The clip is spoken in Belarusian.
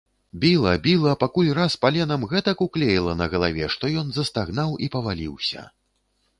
Біла, біла, пакуль раз паленам гэтак уклеіла на галаве, што ён застагнаў і паваліўся.